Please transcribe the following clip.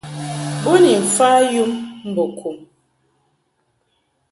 Bo ni mfa yum mbo kum.